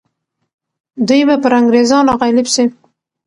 دوی به پر انګریزانو غالب سي.